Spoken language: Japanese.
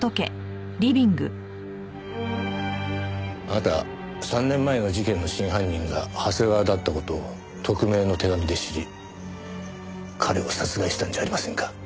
あなた３年前の事件の真犯人が長谷川だった事を匿名の手紙で知り彼を殺害したんじゃありませんか？